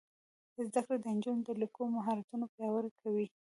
زده کړه د نجونو د لیکلو مهارتونه پیاوړي کوي.